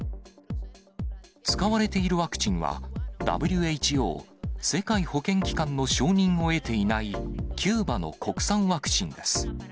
使われているワクチンは、ＷＨＯ・世界保健機関の承認を得ていない、キューバの国産ワクチンです。